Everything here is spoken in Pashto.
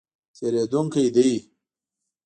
تېرېدونکی دی